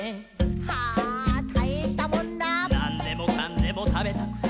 「なんでもかんでもたべたくて」